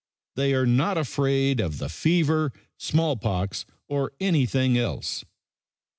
They are not afraid of the fever, smallpox or anything else."